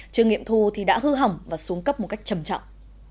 chương nghiệm thu thì đã hư hỏng và xuống cấp một cách chầm trọng